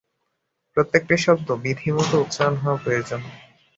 প্রত্যেকটি শব্দ বিধিমত উচ্চারণ হওয়া প্রয়োজন।